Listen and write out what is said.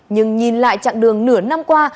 nhưng nhìn lại chặng đường nửa năm qua